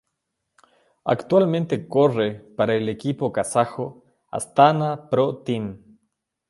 Actualmente corre para el equipo kazajo Astana Pro Team.